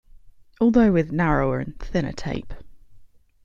Although with narrower and thinner tape.